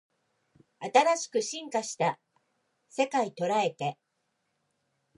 新しく進化した世界捉えて